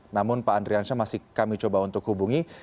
namun pak andrian syah masih kami coba untuk hubungi